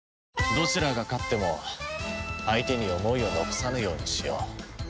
どちらが勝っても相手に思いを残さぬようにしよう。